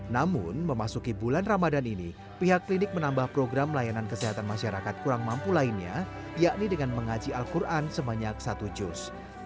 namun memasuki bulan ramadan ini pihak klinik menambah program layanan kesehatan masyarakat kurang mampu lainnya yakni dengan mengaji al quran sebanyak satu juz